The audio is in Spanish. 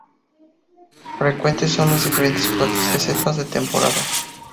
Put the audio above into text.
Frecuentes son los diferentes platos de setas de temporada.